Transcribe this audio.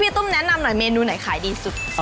ตุ้มแนะนำหน่อยเมนูไหนขายดีสุด